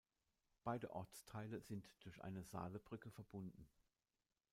Beide Ortsteile sind durch eine Saalebrücke verbunden.